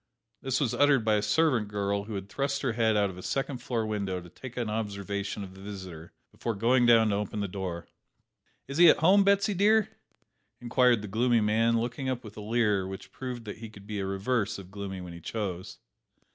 This was uttered by a servant girl who had thrust her head out of a second floor window to take an observation of the visitor before going down to open the door. "Is he at home, Betsy dear?" inquired the gloomy man, looking up with a leer which proved that he could be the reverse of gloomy when he chose.